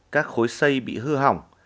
các khối xây bị hư hỏng